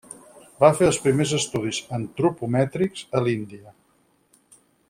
Va fer els primers estudis antropomètrics a l'Índia.